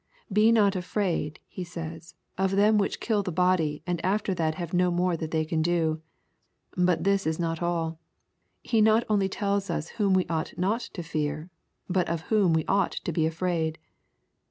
*^ Be not afraid," He says, " of them which kill the body, and after that have no more that they can do." But this is not all. He not only tells us whom we ought not to fear, but of whom we ought to be afraid.